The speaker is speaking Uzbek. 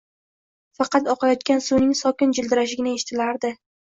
Faqat oqayotgan suvning sokin jildirashigina eshitilardi